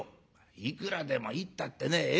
「いくらでもいいったってね。ええ？」。